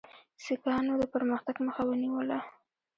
سیکهانو د پرمختګ مخه ونیوله.